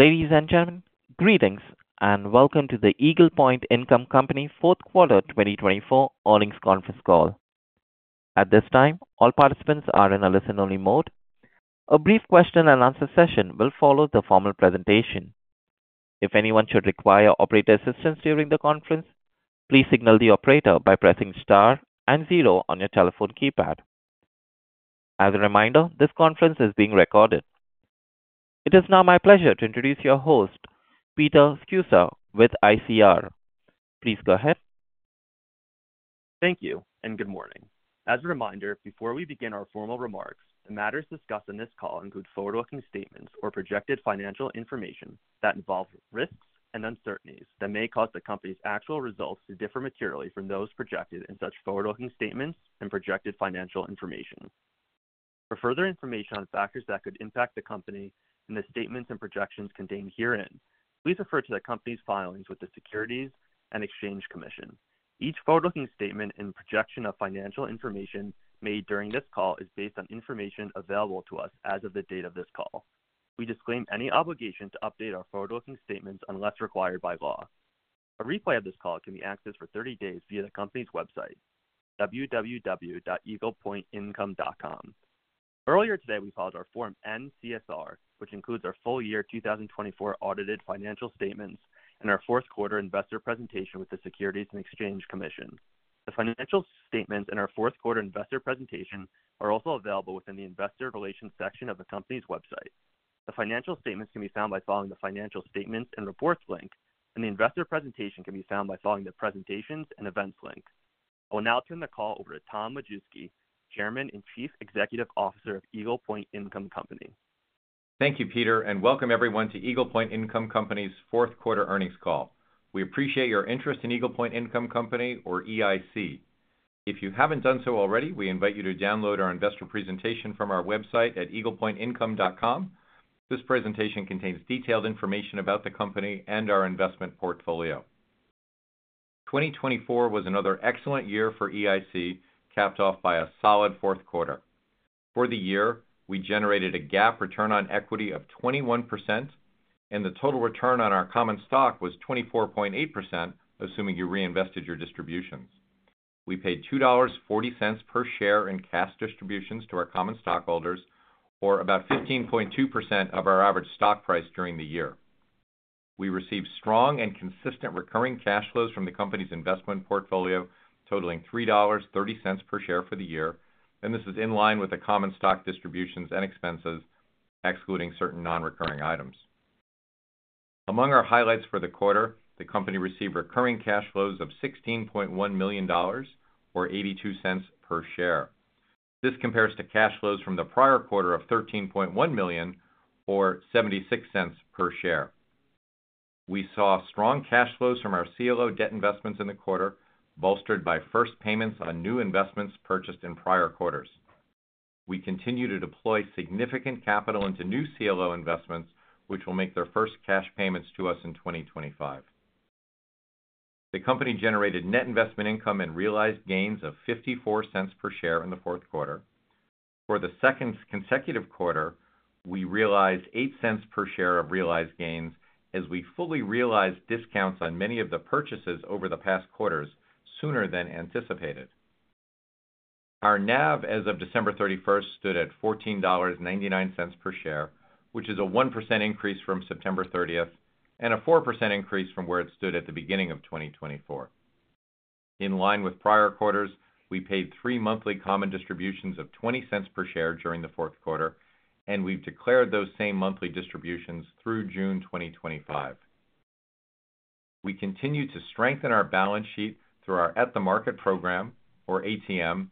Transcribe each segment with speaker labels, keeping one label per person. Speaker 1: Ladies and gentlemen, greetings and welcome to the Eagle Point Income Company Fourth Quarter 2024 earnings conference call. At this time, all participants are in a listen-only mode. A brief question-and-answer session will follow the formal presentation. If anyone should require operator assistance during the conference, please signal the operator by pressing star and zero on your telephone keypad. As a reminder, this conference is being recorded. It is now my pleasure to introduce your host, Peter Sceusa, with ICR. Please go ahead.
Speaker 2: Thank you and good morning. As a reminder, before we begin our formal remarks, the matters discussed in this call include forward-looking statements or projected financial information that involve risks and uncertainties that may cause the company's actual results to differ materially from those projected in such forward-looking statements and projected financial information. For further information on factors that could impact the company and the statements and projections contained herein, please refer to the company's filings with the Securities and Exchange Commission. Each forward-looking statement and projection of financial information made during this call is based on information available to us as of the date of this call. We disclaim any obligation to update our forward-looking statements unless required by law. A replay of this call can be accessed for 30 days via the company's website, www.eaglepointincome.com. Earlier today, we filed our Form N-CSR, which includes our full year 2024 audited financial statements and our Fourth Quarter Investor Presentation with the Securities and Exchange Commission. The financial statements and our Fourth Quarter Investor Presentation are also available within the Investor Relations section of the company's website. The financial statements can be found by following the Financial Statements and Reports link, and the Investor Presentation can be found by following the Presentations and Events link. I will now turn the call over to Tom Majewski, Chairman and Chief Executive Officer of Eagle Point Income Company.
Speaker 3: Thank you, Peter, and welcome everyone to Eagle Point Income Company's Fourth Quarter earnings call. We appreciate your interest in Eagle Point Income Company, or EIC. If you haven't done so already, we invite you to download our Investor Presentation from our website at eaglepointincome.com. This presentation contains detailed information about the company and our investment portfolio. 2024 was another excellent year for EIC, capped off by a solid fourth quarter. For the year, we generated a GAAP return on equity of 21%, and the total return on our common stock was 24.8%, assuming you reinvested your distributions. We paid $2.40 per share in cash distributions to our common stockholders, or about 15.2% of our average stock price during the year. We received strong and consistent recurring cash flows from the company's investment portfolio, totaling $3.30 per share for the year, and this is in line with the common stock distributions and expenses, excluding certain non-recurring items. Among our highlights for the quarter, the company received recurring cash flows of $16.1 million, or $0.82 per share. This compares to cash flows from the prior quarter of $13.1 million, or $0.76 per share. We saw strong cash flows from our CLO debt investments in the quarter, bolstered by first payments on new investments purchased in prior quarters. We continue to deploy significant capital into new CLO investments, which will make their first cash payments to us in 2025. The company generated net investment income and realized gains of $0.54 per share in the fourth quarter. For the second consecutive quarter, we realized $0.08 per share of realized gains, as we fully realized discounts on many of the purchases over the past quarters sooner than anticipated. Our NAV as of December 31st stood at $14.99 per share, which is a 1% increase from September 30th and a 4% increase from where it stood at the beginning of 2024. In line with prior quarters, we paid three monthly common distributions of $0.20 per share during the fourth quarter, and we've declared those same monthly distributions through June 2025. We continue to strengthen our balance sheet through our At-the-Market program, or ATM,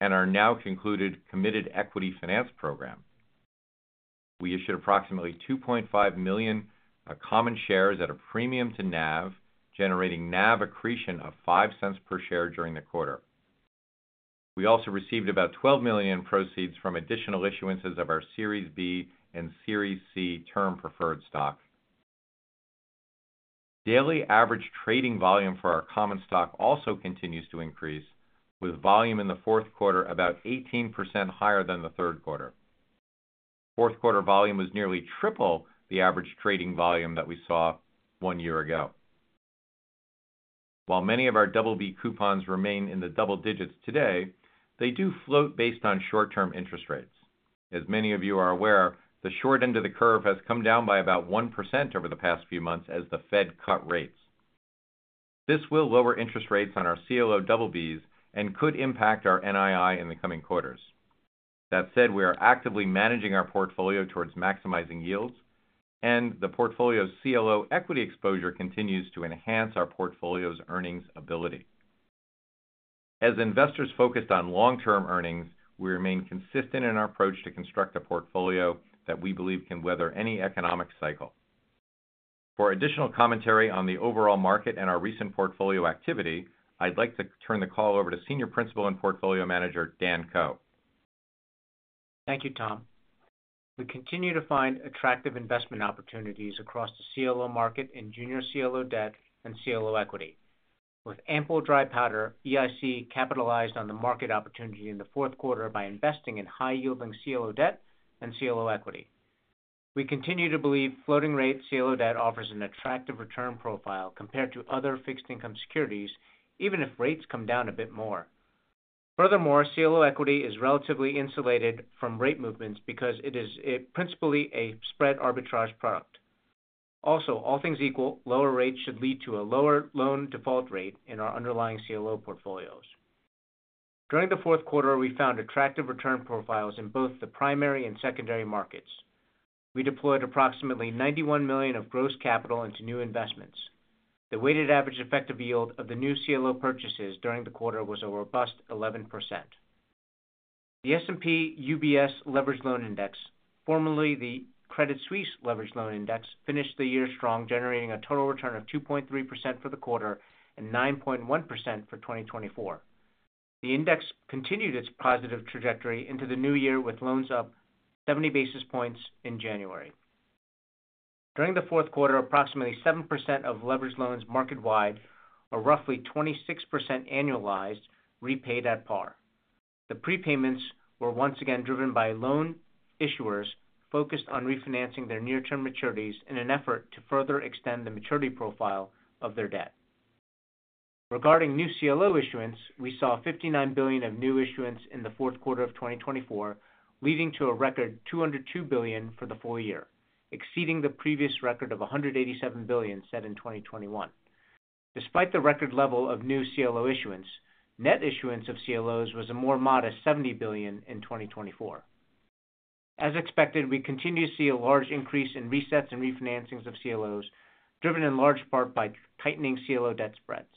Speaker 3: and our now-concluded Committed Equity Finance program. We issued approximately 2.5 million common shares at a premium to NAV, generating NAV accretion of $0.05 per share during the quarter. We also received about $12 million in proceeds from additional issuances of our Series B and Series C term preferred stock. Daily average trading volume for our common stock also continues to increase, with volume in the fourth quarter about 18% higher than the third quarter. Fourth quarter volume was nearly triple the average trading volume that we saw one year ago. While many of our BB coupons remain in the double digits today, they do float based on short-term interest rates. As many of you are aware, the short end of the curve has come down by about 1% over the past few months as the Fed cut rates. This will lower interest rates on our CLO BBs and could impact our NII in the coming quarters. That said, we are actively managing our portfolio towards maximizing yields, and the portfolio's CLO equity exposure continues to enhance our portfolio's earnings ability. As investors focused on long-term earnings, we remain consistent in our approach to construct a portfolio that we believe can weather any economic cycle. For additional commentary on the overall market and our recent portfolio activity, I'd like to turn the call over to Senior Principal and Portfolio Manager, Dan Ko.
Speaker 4: Thank you, Tom. We continue to find attractive investment opportunities across the CLO market in junior CLO debt and CLO equity. With ample dry powder, EIC capitalized on the market opportunity in the fourth quarter by investing in high-yielding CLO debt and CLO equity. We continue to believe floating-rate CLO debt offers an attractive return profile compared to other fixed income securities, even if rates come down a bit more. Furthermore, CLO equity is relatively insulated from rate movements because it is principally a spread arbitrage product. Also, all things equal, lower rates should lead to a lower loan default rate in our underlying CLO portfolios. During the fourth quarter, we found attractive return profiles in both the primary and secondary markets. We deployed approximately $91 million of gross capital into new investments. The weighted average effective yield of the new CLO purchases during the quarter was a robust 11%. The S&P UBS Leveraged Loan Index, formerly the Credit Suisse Leveraged Loan Index, finished the year strong, generating a total return of 2.3% for the quarter and 9.1% for 2024. The index continued its positive trajectory into the new year with loans up 70 basis points in January. During the fourth quarter, approximately 7% of leveraged loans market-wide, or roughly 26% annualized, repaid at par. The prepayments were once again driven by loan issuers focused on refinancing their near-term maturities in an effort to further extend the maturity profile of their debt. Regarding new CLO issuance, we saw $59 billion of new issuance in the fourth quarter of 2024, leading to a record $202 billion for the full year, exceeding the previous record of $187 billion set in 2021. Despite the record level of new CLO issuance, net issuance of CLOs was a more modest $70 billion in 2024. As expected, we continue to see a large increase in resets and refinancings of CLOs, driven in large part by tightening CLO debt spreads.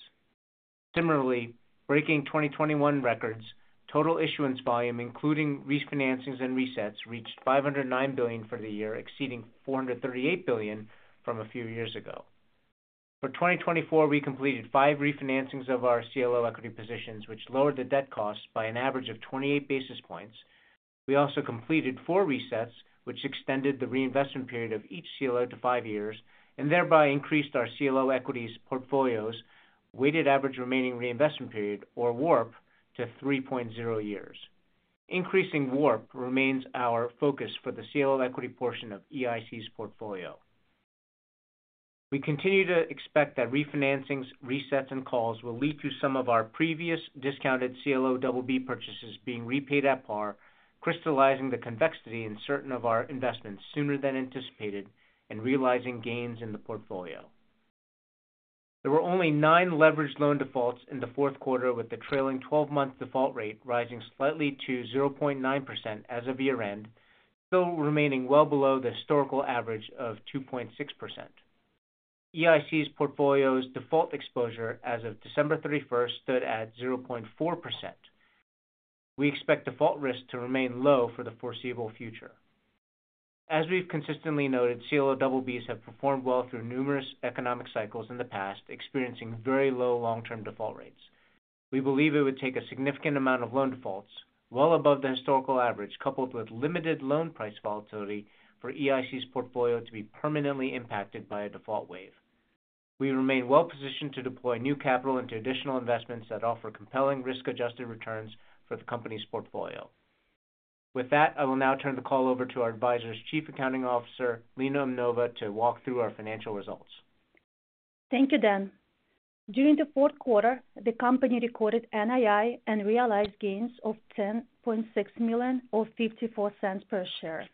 Speaker 4: Similarly, breaking 2021 records, total issuance volume, including refinancings and resets, reached $509 billion for the year, exceeding $438 billion from a few years ago. For 2024, we completed five refinancings of our CLO equity positions, which lowered the debt cost by an average of 28 basis points. We also completed four resets, which extended the reinvestment period of each CLO to five years and thereby increased our CLO equities portfolio's weighted average remaining reinvestment period, or WARP, to 3.0 years. Increasing WARP remains our focus for the CLO equity portion of EIC's portfolio. We continue to expect that refinancings, resets, and calls will lead to some of our previous discounted CLO BB purchases being repaid at par, crystallizing the convexity in certain of our investments sooner than anticipated and realizing gains in the portfolio. There were only nine leveraged loan defaults in the fourth quarter, with the trailing 12-month default rate rising slightly to 0.9% as of year-end, still remaining well below the historical average of 2.6%. EIC's portfolio's default exposure as of December 31st stood at 0.4%. We expect default risk to remain low for the foreseeable future. As we've consistently noted, CLO BBs have performed well through numerous economic cycles in the past, experiencing very low long-term default rates. We believe it would take a significant amount of loan defaults well above the historical average, coupled with limited loan price volatility, for EIC's portfolio to be permanently impacted by a default wave. We remain well-positioned to deploy new capital into additional investments that offer compelling risk-adjusted returns for the company's portfolio. With that, I will now turn the call over to our advisors, Chief Accounting Officer Lena Umnova, to walk through our financial results.
Speaker 5: Thank you, Dan. During the fourth quarter, the company recorded NII and realized gains of $10.6 million or $0.54 per share.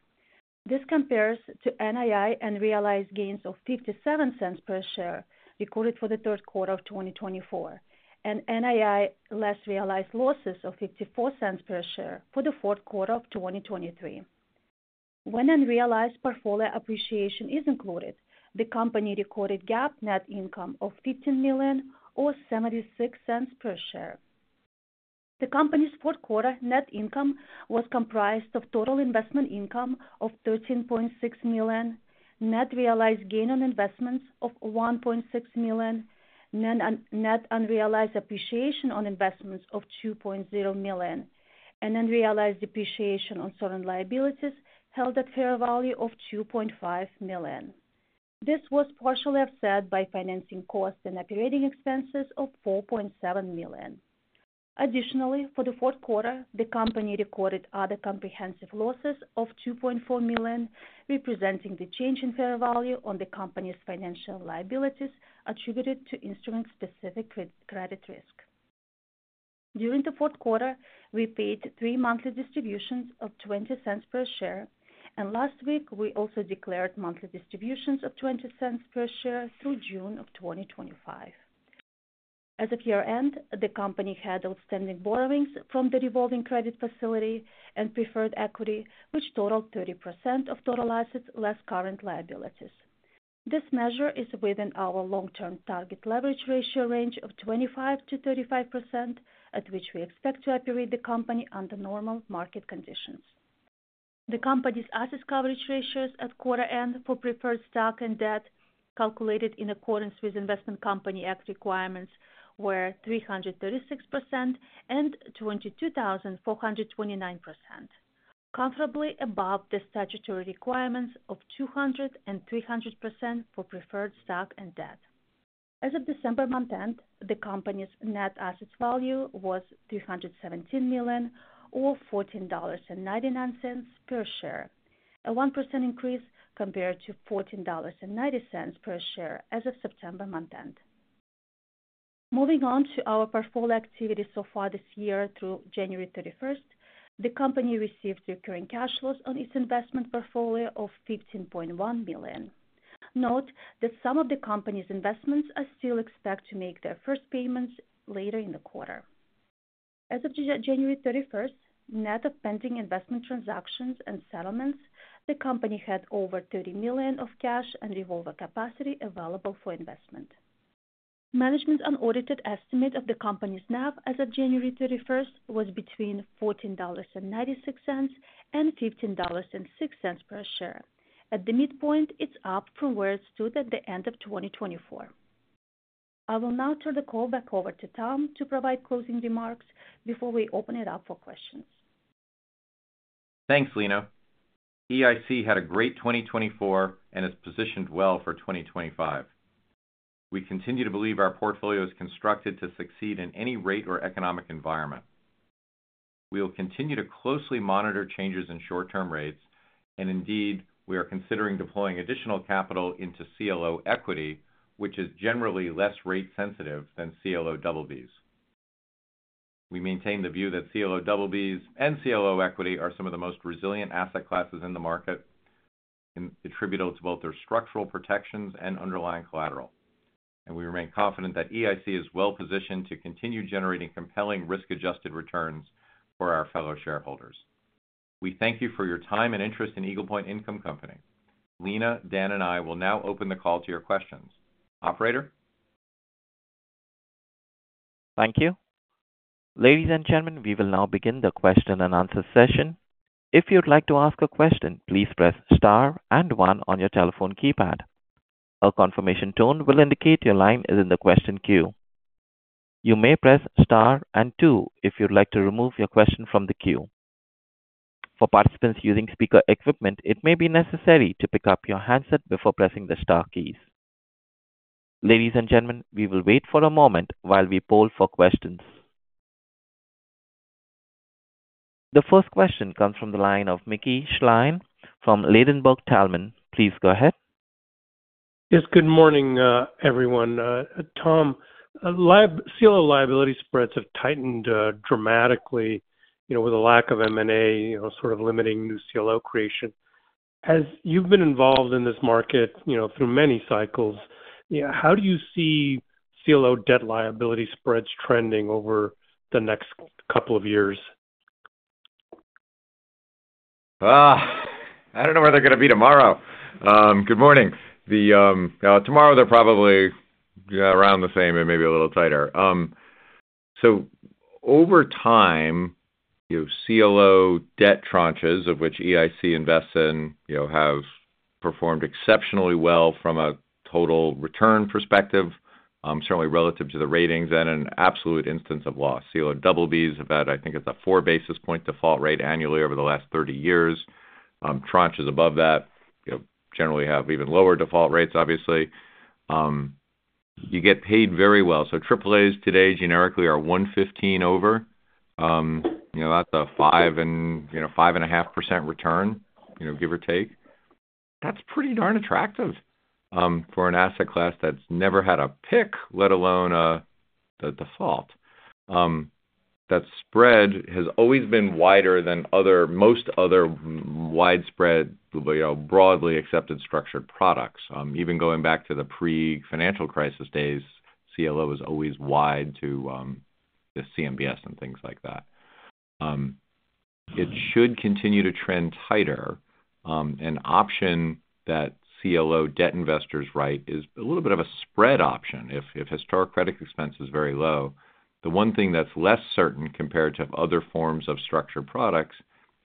Speaker 5: This compares to NII and realized gains of $0.57 per share recorded for the third quarter of 2024 and NII less realized losses of $0.54 per share for the fourth quarter of 2023. When unrealized portfolio appreciation is included, the company recorded GAAP net income of $15 million or $0.76 per share. The company's fourth quarter net income was comprised of total investment income of $13.6 million, net realized gain on investments of $1.6 million, net unrealized appreciation on investments of $2.0 million, and unrealized depreciation on certain liabilities held at fair value of $2.5 million. This was partially offset by financing costs and operating expenses of $4.7 million. Additionally, for the fourth quarter, the company recorded other comprehensive losses of $2.4 million, representing the change in fair value on the company's financial liabilities attributed to instrument-specific credit risk. During the fourth quarter, we paid three monthly distributions of $0.20 per share, and last week, we also declared monthly distributions of $0.20 per share through June of 2025. As of year-end, the company had outstanding borrowings from the revolving credit facility and preferred equity, which totaled 30% of total assets less current liabilities. This measure is within our long-term target leverage ratio range of 25%-35%, at which we expect to operate the company under normal market conditions. The company's asset coverage ratios at quarter-end for preferred stock and debt, calculated in accordance with Investment Company Act requirements, were 336% and 22,429%, comfortably above the statutory requirements of 200% and 300% for preferred stock and debt. As of December month-end, the company's net asset value was $317 million or $14.99 per share, a 1% increase compared to $14.90 per share as of September month-end. Moving on to our portfolio activity so far this year through January 31st, the company received recurring cash flows on its investment portfolio of $15.1 million. Note that some of the company's investments are still expected to make their first payments later in the quarter. As of January 31st, net of pending investment transactions and settlements, the company had over $30 million of cash and revolving capacity available for investment. Management's unaudited estimate of the company's NAV as of January 31st was between $14.96 and $15.06 per share, at the midpoint, it's up from where it stood at the end of 2024. I will now turn the call back over to Tom to provide closing remarks before we open it up for questions.
Speaker 3: Thanks, Lena. EIC had a great 2024 and is positioned well for 2025. We continue to believe our portfolio is constructed to succeed in any rate or economic environment. We will continue to closely monitor changes in short-term rates, and indeed, we are considering deploying additional capital into CLO equity, which is generally less rate-sensitive than CLO BBs. We maintain the view that CLO BBs and CLO equity are some of the most resilient asset classes in the market, attributable to both their structural protections and underlying collateral, and we remain confident that EIC is well-positioned to continue generating compelling risk-adjusted returns for our fellow shareholders. We thank you for your time and interest in Eagle Point Income Company. Lena, Dan, and I will now open the call to your questions. Operator?
Speaker 1: Thank you. Ladies and gentlemen, we will now begin the question and answer session. If you'd like to ask a question, please press star and one on your telephone keypad. A confirmation tone will indicate your line is in the question queue. You may press star and two if you'd like to remove your question from the queue. For participants using speaker equipment, it may be necessary to pick up your handset before pressing the star keys. Ladies and gentlemen, we will wait for a moment while we poll for questions. The first question comes from the line of Mickey Schleien from Ladenburg Thalmann. Please go ahead.
Speaker 6: Yes, good morning, everyone. Tom, CLO liability spreads have tightened dramatically with a lack of M&A, sort of limiting new CLO creation. As you've been involved in this market through many cycles, how do you see CLO debt liability spreads trending over the next couple of years?
Speaker 3: I don't know where they're going to be tomorrow. Good morning. Tomorrow, they're probably around the same and maybe a little tighter. Over time, CLO debt tranches, of which EIC invests in, have performed exceptionally well from a total return perspective, certainly relative to the ratings, and an absolute absence of loss. CLO BBs have had, I think it's a four basis point default rate annually over the last 30 years. Tranches above that generally have even lower default rates, obviously. You get paid very well. AAAs today generically are 115 over. That's a 5% and 5.5% return, give or take. That's pretty darn attractive for an asset class that's never had a blip, let alone a default. That spread has always been wider than most other widespread, broadly accepted structured products. Even going back to the pre-financial crisis days, CLO was always wide to CMBS and things like that. It should continue to trend tighter. An option that CLO debt investors write is a little bit of a spread option if historic credit expense is very low. The one thing that's less certain compared to other forms of structured products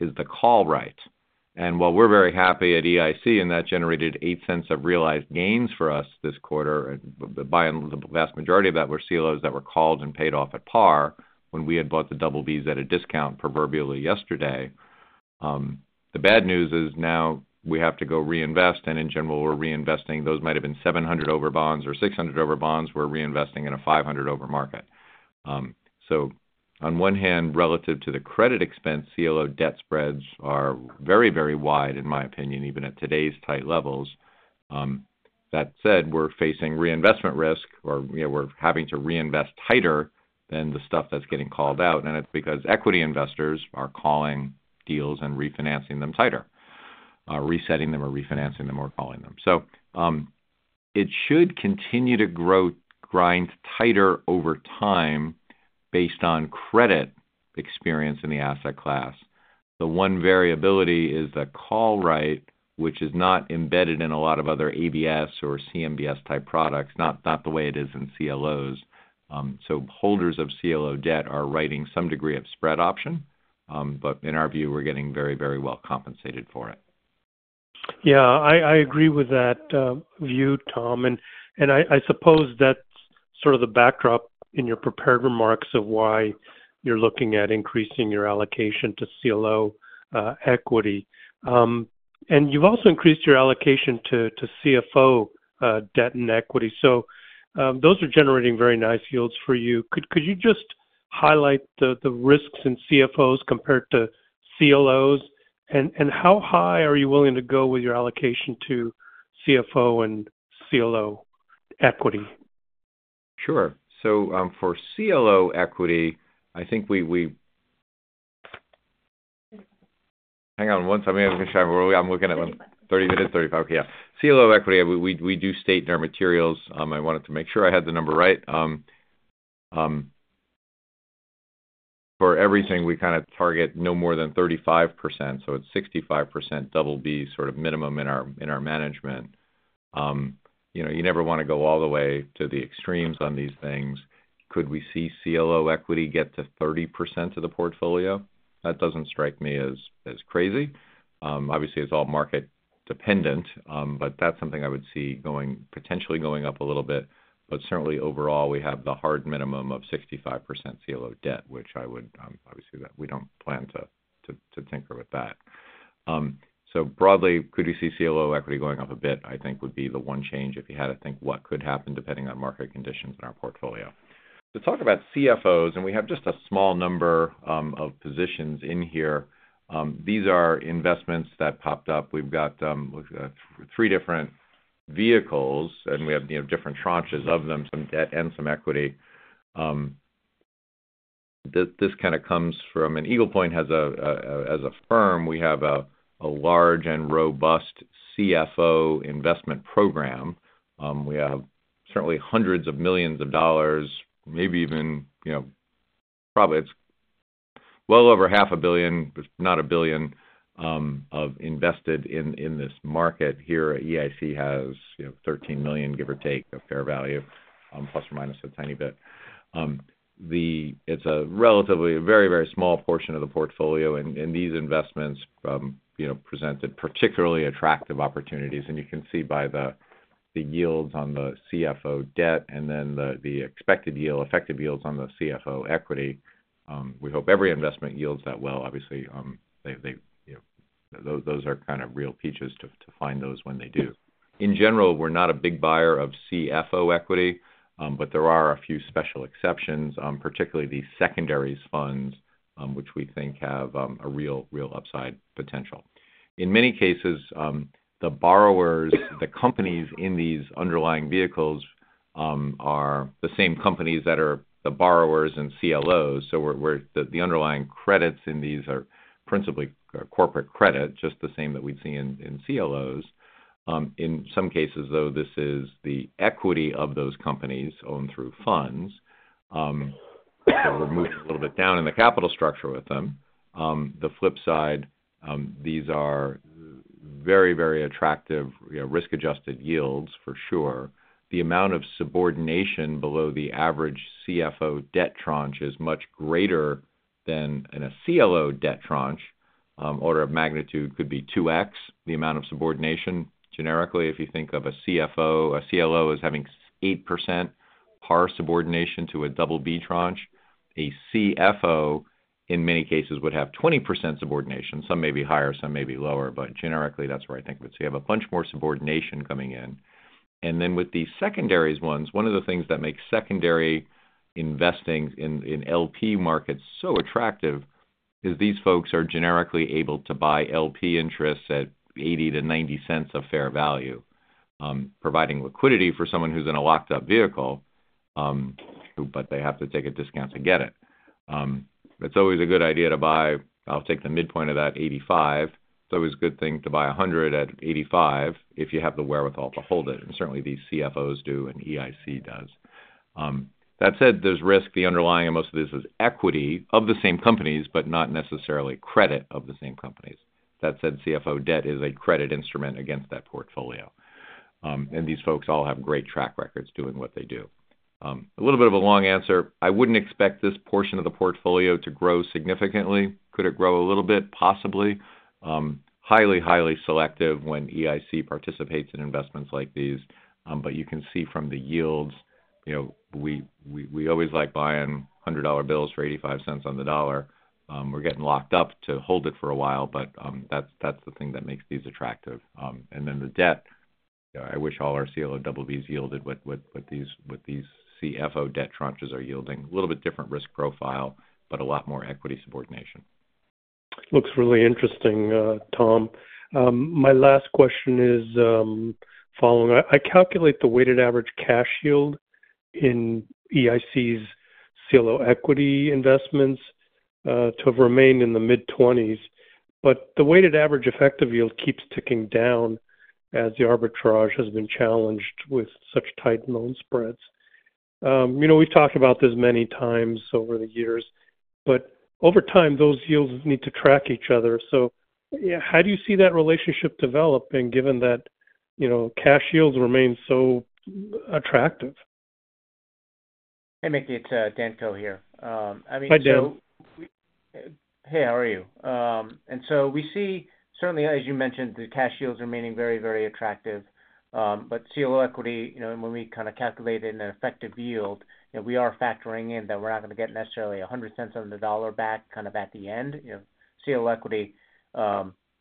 Speaker 3: is the call right, and while we're very happy at EIC, and that generated $0.08 of realized gains for us this quarter, the vast majority of that were CLOs that were called and paid off at par when we had bought the BBs at a discount proverbially yesterday. The bad news is now we have to go reinvest, and in general, we're reinvesting. Those might have been 700-over bonds or 600-over bonds. We're reinvesting in a 500-over market. On one hand, relative to the credit expense, CLO debt spreads are very, very wide, in my opinion, even at today's tight levels. That said, we're facing reinvestment risk, or we're having to reinvest tighter than the stuff that's getting called out. And it's because equity investors are calling deals and refinancing them tighter, resetting them or refinancing them or calling them. So it should continue to grind tighter over time based on credit experience in the asset class. The one variability is the call right, which is not embedded in a lot of other ABS or CMBS-type products, not the way it is in CLOs. So holders of CLO debt are writing some degree of spread option. But in our view, we're getting very, very well compensated for it.
Speaker 6: Yeah, I agree with that view, Tom. And I suppose that's sort of the backdrop in your prepared remarks of why you're looking at increasing your allocation to CLO equity. And you've also increased your allocation to CFO debt and equity. So those are generating very nice yields for you. Could you just highlight the risks in CFOs compared to CLOs? And how high are you willing to go with your allocation to CFO and CLO equity?
Speaker 3: Sure. So for CLO equity, I think we, hang on one second. I'm looking at 30%, 35%. Yeah. CLO equity, we do state in our materials. I wanted to make sure I had the number right. For everything, we kind of target no more than 35%. So it's 65% BB sort of minimum in our management. You never want to go all the way to the extremes on these things. Could we see CLO equity get to 30% of the portfolio? That doesn't strike me as crazy. Obviously, it's all market-dependent, but that's something I would see potentially going up a little bit. But certainly, overall, we have the hard minimum of 65% CLO debt, which I would obviously, we don't plan to tinker with that. Broadly, could we see CLO equity going up a bit, I think, would be the one change if you had to think what could happen depending on market conditions in our portfolio. To talk about CFOs, and we have just a small number of positions in here. These are investments that popped up. We've got three different vehicles, and we have different tranches of them, some debt and some equity. This kind of comes from an Eagle Point as a firm. We have a large and robust CFO investment program. We have certainly hundreds of millions of dollars, maybe even probably it's well over $500 million, if not $1 billion, invested in this market here. EIC has $13 million, give or take, of fair value, plus or minus a tiny bit. It's a relatively very, very small portion of the portfolio. These investments presented particularly attractive opportunities. You can see by the yields on the CFO debt and then the expected yield, effective yields on the CFO equity. We hope every investment yields that well. Obviously, those are kind of real peaches to find those when they do. In general, we're not a big buyer of CFO equity, but there are a few special exceptions, particularly these secondaries funds, which we think have a real upside potential. In many cases, the borrowers, the companies in these underlying vehicles are the same companies that are the borrowers and CLOs. The underlying credits in these are principally corporate credit, just the same that we'd see in CLOs. In some cases, though, this is the equity of those companies owned through funds. We're moving a little bit down in the capital structure with them. The flip side, these are very, very attractive risk-adjusted yields, for sure. The amount of subordination below the average CFO debt tranche is much greater than in a CLO debt tranche. Order of magnitude could be 2x the amount of subordination. Generically, if you think of a CFO, a CLO is having 8% par subordination to a BB tranche. A CFO, in many cases, would have 20% subordination. Some may be higher, some may be lower, but generically, that's where I think of it. So you have a bunch more subordination coming in. And then with the secondaries ones, one of the things that makes secondary investing in LP markets so attractive is these folks are generically able to buy LP interests at $0.80-$0.90 of fair value, providing liquidity for someone who's in a locked-up vehicle, but they have to take a discount to get it. It's always a good idea to buy, I'll take the midpoint of that $0.85. It's always a good thing to buy 100 at $0.85 if you have the wherewithal to hold it. And certainly, these CFOs do and EIC does. That said, there's risk. The underlying of most of this is equity of the same companies, but not necessarily credit of the same companies. That said, CFO debt is a credit instrument against that portfolio. And these folks all have great track records doing what they do. A little bit of a long answer. I wouldn't expect this portion of the portfolio to grow significantly. Could it grow a little bit? Possibly. Highly, highly selective when EIC participates in investments like these. But you can see from the yields, we always like buying $100 bills for $0.85 cents on the dollar. We're getting locked up to hold it for a while, but that's the thing that makes these attractive. And then the debt, I wish all our CLO BBs yielded what these CFO debt tranches are yielding. A little bit different risk profile, but a lot more equity subordination.
Speaker 6: Looks really interesting, Tom. My last question is following. I calculate the weighted average cash yield in EIC's CLO equity investments to have remained in the mid-20s, but the weighted average effective yield keeps ticking down as the arbitrage has been challenged with such tight loan spreads. We've talked about this many times over the years, but over time, those yields need to track each other. So how do you see that relationship developing given that cash yields remain so attractive?
Speaker 4: Hey, Mickey, it's Dan Ko here.
Speaker 6: Hi, Dan.
Speaker 4: So, hey, how are you? And so we see, certainly, as you mentioned, the cash yields remaining very, very attractive. But CLO equity, when we kind of calculate an effective yield, we are factoring in that we're not going to get necessarily $1.00 cents on the dollar back kind of at the end. CLO equity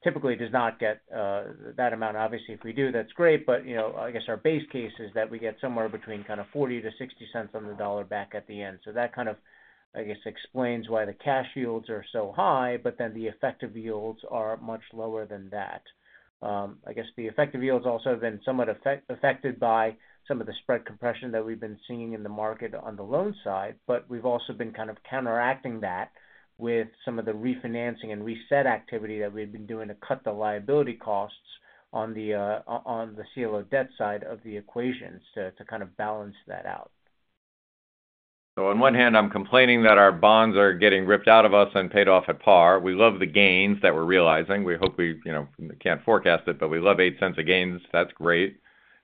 Speaker 4: typically does not get that amount. Obviously, if we do, that's great. But I guess our base case is that we get somewhere between kind of $0.40 to $0.60 cents on the dollar back at the end. So that kind of, I guess, explains why the cash yields are so high, but then the effective yields are much lower than that. I guess the effective yields also have been somewhat affected by some of the spread compression that we've been seeing in the market on the loan side. But we've also been kind of counteracting that with some of the refinancing and reset activity that we've been doing to cut the liability costs on the CLO debt side of the equations to kind of balance that out.
Speaker 3: So on one hand, I'm complaining that our bonds are getting ripped out of us and paid off at par. We love the gains that we're realizing. We hope we can't forecast it, but we love $0.08 of gains. That's great.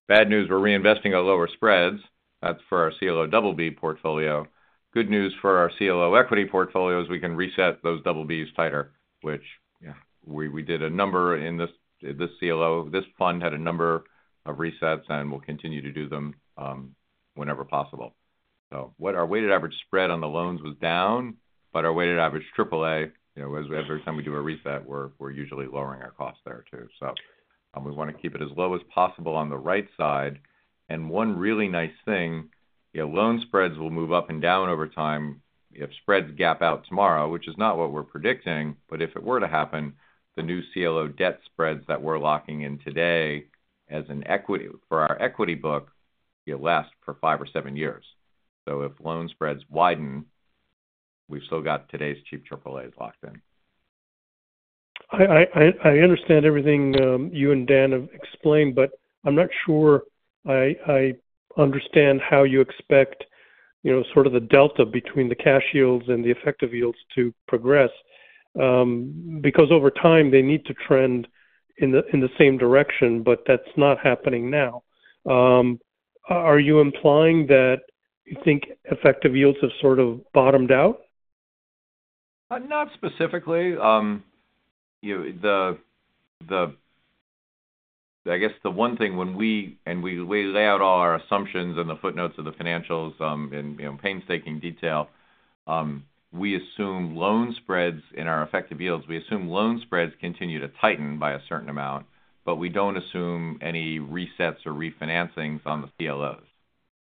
Speaker 3: Bad news, we're reinvesting at lower spreads. That's for our CLO BB portfolio. Good news for our CLO equity portfolio is we can reset those BBs tighter, which we did a number in this CLO. This fund had a number of resets, and we'll continue to do them whenever possible. So our weighted average spread on the loans was down, but our weighted average AAA, every time we do a reset, we're usually lowering our cost there too. So we want to keep it as low as possible on the right side. One really nice thing, loan spreads will move up and down over time if spreads gap out tomorrow, which is not what we're predicting. If it were to happen, the new CLO debt spreads that we're locking in today for our equity book will last for five or seven years. If loan spreads widen, we've still got today's cheap AAAs locked in.
Speaker 6: I understand everything you and Dan have explained, but I'm not sure I understand how you expect sort of the delta between the cash yields and the effective yields to progress because over time, they need to trend in the same direction, but that's not happening now. Are you implying that you think effective yields have sort of bottomed out?
Speaker 3: Not specifically. I guess the one thing when we lay out all our assumptions and the footnotes of the financials in painstaking detail, we assume loan spreads in our effective yields. We assume loan spreads continue to tighten by a certain amount, but we don't assume any resets or refinancings on the CLOs.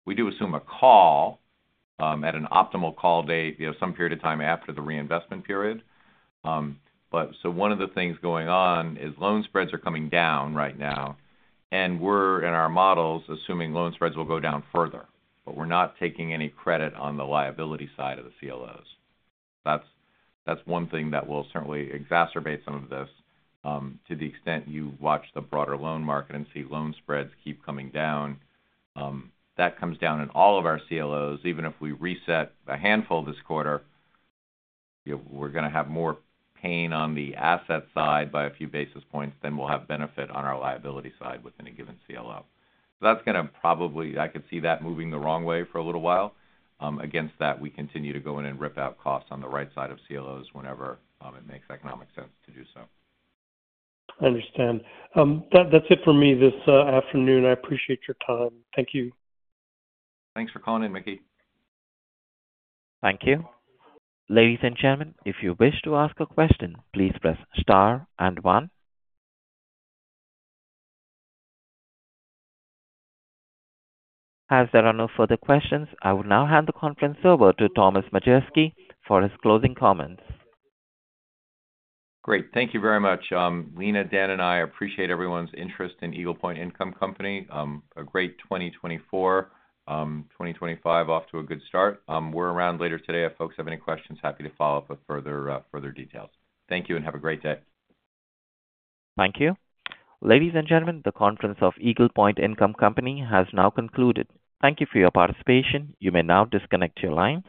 Speaker 3: We do assume a call at an optimal call date some period of time after the reinvestment period. So one of the things going on is loan spreads are coming down right now, and we're in our models assuming loan spreads will go down further. But we're not taking any credit on the liability side of the CLOs. That's one thing that will certainly exacerbate some of this to the extent you watch the broader loan market and see loan spreads keep coming down. That comes down in all of our CLOs. Even if we reset a handful this quarter, we're going to have more pain on the asset side by a few basis points than we'll have benefit on our liability side within a given CLO. So that's going to probably, I could see that moving the wrong way for a little while. Against that, we continue to go in and rip out costs on the right side of CLOs whenever it makes economic sense to do so.
Speaker 6: I understand. That's it for me this afternoon. I appreciate your time. Thank you.
Speaker 3: Thanks for calling in, Mickey.
Speaker 1: Thank you. Ladies and gentlemen, if you wish to ask a question, please press star and one. As there are no further questions, I will now hand the conference over to Thomas Majewski for his closing comments.
Speaker 3: Great. Thank you very much, Lena, Dan, and I. I appreciate everyone's interest in Eagle Point Income Company. A great 2024. 2025 off to a good start. We're around later today. If folks have any questions, happy to follow up with further details. Thank you and have a great day.
Speaker 1: Thank you. Ladies and gentlemen, the conference of Eagle Point Income Company has now concluded. Thank you for your participation. You may now disconnect your line.